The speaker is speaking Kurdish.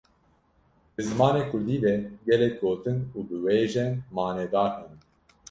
Di zimanê kurdî de gelek gotin û biwêjên manedar hene.